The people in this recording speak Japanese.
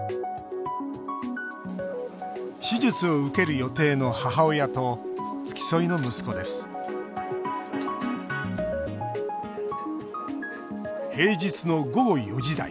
手術を受ける予定の母親と付き添いの息子です平日の午後４時台。